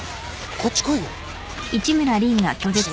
こっち来いって。